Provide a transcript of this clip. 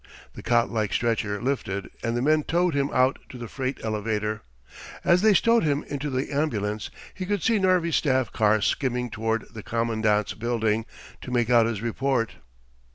The cot like stretcher lifted and the men towed him out to the freight elevator. As they stowed him into the ambulance, he could see Narvi's staff car skimming toward the Commandant's building to make out his report.